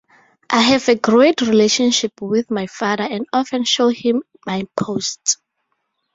I have a great relationship with my father and often show him my posts.